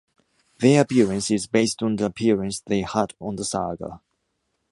Their appearance is based on the appearance they had on the saga.